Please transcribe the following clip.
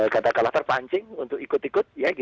katakanlah terpancing untuk ikut ikut